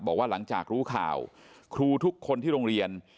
บอกว่าหลังจากรู้ข่าวครูทุกคนที่โรงเรียน